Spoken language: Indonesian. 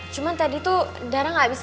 cuma tadi tuh dara gak bisa pergi sama sama